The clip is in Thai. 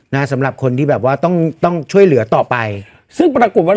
สำหรับคนที่แบบว่าต้องต้องช่วยเหลือต่อไปซึ่งปรากฏว่า